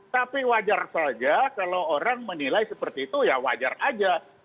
tapi wajar saja kalau orang menilai seperti itu ya wajar saja